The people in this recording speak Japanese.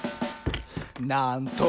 「なんと！